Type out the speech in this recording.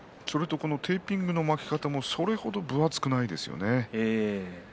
テーピングの巻き方もそれ程、分厚くないですね。